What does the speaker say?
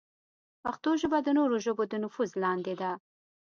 پښتو ژبه د نورو ژبو د نفوذ لاندې ده.